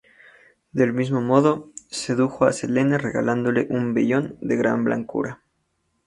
Del mismo modo, sedujo a Selene regalándole un vellón de gran blancura.